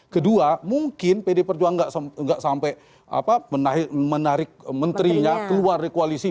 kedua mungkin pd perjuangan tidak sampai menarik menterinya keluar dari koalisi